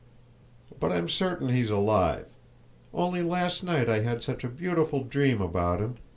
But I'm certain he's alive. Only last night I had such a beautiful dream about him.